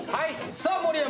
さあ盛山！